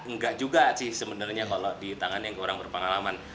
enggak juga sih sebenarnya kalau di tangan yang kurang berpengalaman